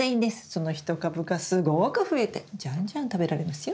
その１株がすごく増えてじゃんじゃん食べられますよ。